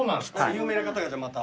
有名な方がまた？